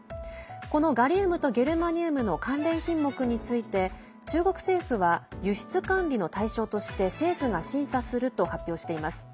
このガリウムとゲルマニウムの関連品目について中国政府は輸出管理の対象として政府が審査すると発表しています。